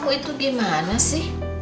kamu itu gimana sih